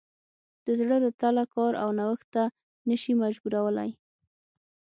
د زړه له تله کار او نوښت ته نه شي مجبورولی.